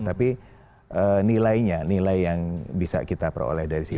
tapi nilainya nilai yang bisa kita peroleh dari sini